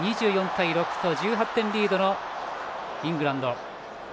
２４対６と１８点リードのイングランド。